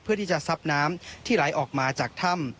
เพื่อที่จะซับน้ำที่ไหลออกมาจากถ้ำ